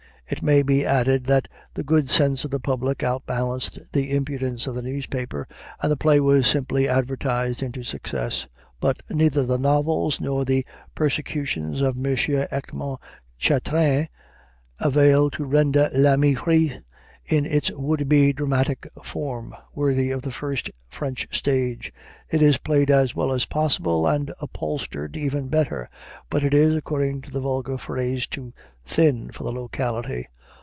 (It may be added that the good sense of the public outbalanced the impudence of the newspaper, and the play was simply advertised into success.) But neither the novels nor the persecutions of M. Erckmann Chatrian avail to render "L'Ami Fritz," in its would be dramatic form, worthy of the first French stage. It is played as well as possible, and upholstered even better; but it is, according to the vulgar phrase, too "thin" for the locality.